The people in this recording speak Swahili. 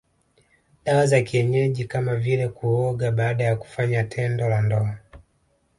Dawa za kienyeji kama vile kuoga baada ya kufanya tendo la ndoa